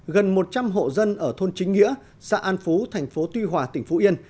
gần một trăm linh hộ dân ở thôn chính nghĩa xã an phú thành phố tuy hòa tỉnh phú yên